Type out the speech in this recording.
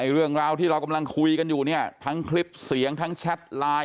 เรื่องราวที่เรากำลังคุยกันอยู่เนี่ยทั้งคลิปเสียงทั้งแชทไลน์